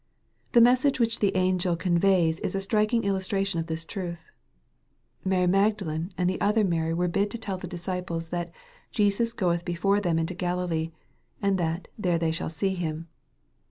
The message which the angel conveys is a striking illustration of this truth. Mary Magdalene and the other Mary were bid to tell the disciples that " Jesus goeth before them into G alilee," and that " there they shall see him."